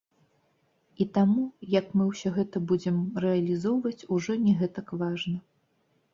І таму, як мы ўсё гэта будзем рэалізоўваць, ужо не гэтак важна.